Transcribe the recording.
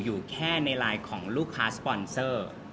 อยู่แค่ในไลน์ของลูกค้าสปอนเซอร์